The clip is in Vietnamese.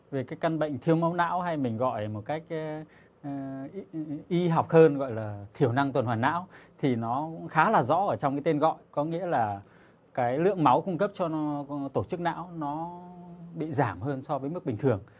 về cái căn bệnh thiêu máu não hay mình gọi một cách y học hơn gọi là thiểu năng tuần hoàn não thì nó cũng khá là rõ ở trong cái tên gọi có nghĩa là cái lượng máu cung cấp cho nó tổ chức não nó bị giảm hơn so với mức bình thường